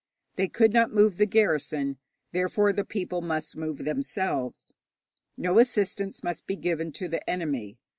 They could not move the garrison, therefore the people must move themselves. No assistance must be given to the enemy.